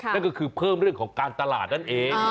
นั่นก็คือเพิ่มเรื่องของการตลาดนั่นเอง